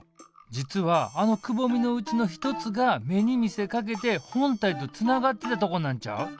実はあのくぼみのうちの一つが芽に見せかけて本体とつながってたとこなんちゃう？